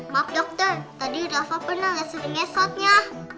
maaf dokter tadi rafa pernah ga sering ngesotnya